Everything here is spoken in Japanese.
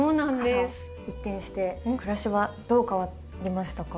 から一転して暮らしはどう変わりましたか？